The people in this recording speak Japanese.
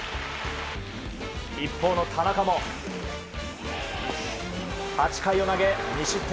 一方の田中も８回を投げ２失点。